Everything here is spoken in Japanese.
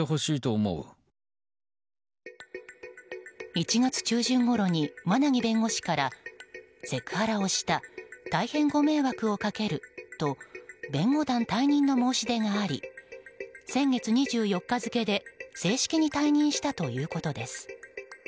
１月中旬ごろに馬奈木弁護士からセクハラをした大変ご迷惑をかけると弁護団退任の申し出があり先月２４日付で正式に退任したということです。